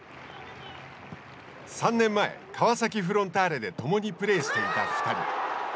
３年前、川崎フロンターレで共にプレーしていた２人。